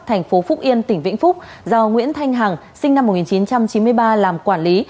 thành phố phúc yên tỉnh vĩnh phúc do nguyễn thanh hằng sinh năm một nghìn chín trăm chín mươi ba làm quản lý